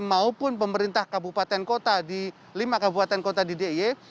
maupun pemerintah kabupaten kota di lima kabupaten kota di d i e